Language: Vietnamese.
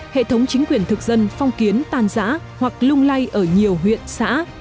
hệ thống chính quyền thực dân phong kiến tan giã hoặc lung lay ở nhiều huyện xã